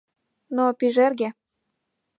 Но пижерге